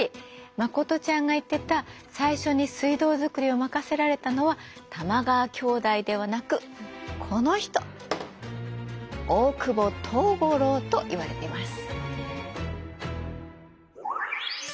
真琴ちゃんが言ってた最初に水道作りを任せられたのは玉川兄弟ではなくこの人大久保藤五郎といわれてます。